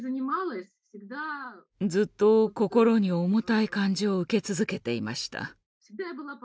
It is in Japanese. ずっと心に重たい感じを受け続けていました。